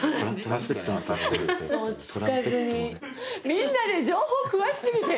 みんなね情報詳し過ぎて。